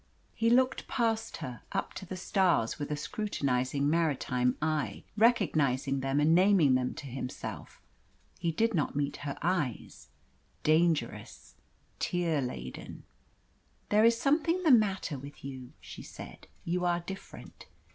He looked past her, up to the stars, with a scrutinising maritime eye, recognising them and naming them to himself. He did not meet her eyes dangerous, tear laden. "There is something the matter with you," she said. "You are different.